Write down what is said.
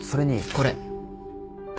これ。